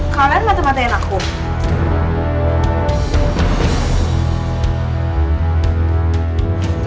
kalian mata matain aku